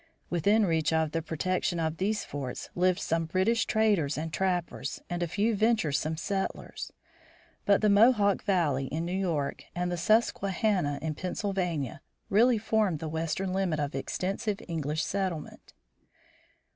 Within reach of the protection of these forts, lived some British traders and trappers, and a few venturesome settlers. But the Mohawk Valley in New York, and the Susquehanna, in Pennsylvania, really formed the western limit of extensive English settlement.